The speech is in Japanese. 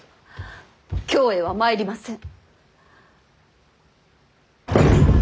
京へは参りません。